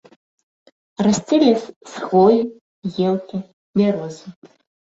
Расце лес з хвоі, елкі, бярозы.